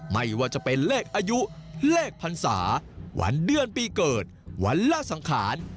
ไม่ว่าจะเป็นเลขอายุเลขพรรษาวันเดือนปีเกิดวันละสังขาร